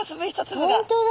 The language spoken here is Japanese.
本当だ。